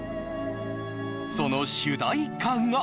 その主題歌がＹｏ！